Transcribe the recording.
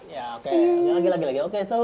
ya oke lagi lagi oke tau